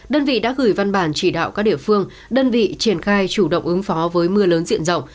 đơn vị đã gửi văn bản chỉ đạo các địa phương đơn vị triển khai chủ động ứng phó với mưa lớn diện rộng